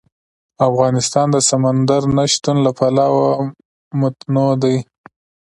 افغانستان د سمندر نه شتون له پلوه متنوع دی.